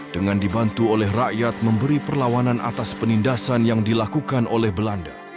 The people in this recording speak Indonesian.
dengan dibantu oleh rakyat memberi perlawanan atas penindasan yang dilakukan oleh belanda